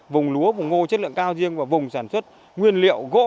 vùng lúa vùng ngô chất lượng cao riêng và vùng sản xuất nguyên liệu gỗ